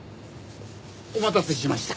お待たせしました。